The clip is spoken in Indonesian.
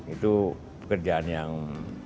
itu pekerjaan yang